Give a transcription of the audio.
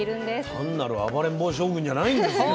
単なる暴れん坊将軍じゃないんですよ。